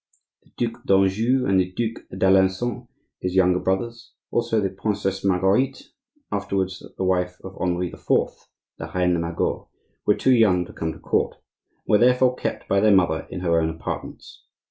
The Duc d'Anjou and the Duc d'Alencon, his younger brothers, also the Princesse Marguerite, afterwards the wife of Henri IV. (la Reine Margot), were too young to come to court, and were therefore kept by their mother in her own apartments.